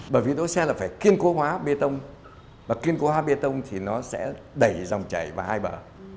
bởi vì đỗ xe là phải kiên cố hóa bê tông và kiên cố hóa bê tông thì nó sẽ đẩy dòng chảy vào hai bờ